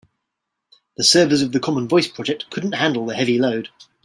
The servers of the common voice project couldn't handle the heavy load.